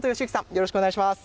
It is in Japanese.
よろしくお願いします。